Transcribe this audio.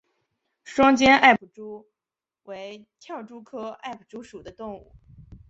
双尖艾普蛛为跳蛛科艾普蛛属的动物。